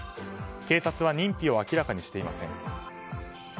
警察は認否を明らかにしてません。